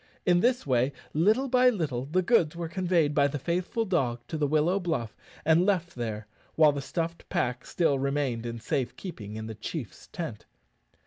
In this way, little by little, the goods were conveyed by the faithful dog to the willow bluff and left there, while the stuffed pack still remained in safe keeping in the chiefs tent.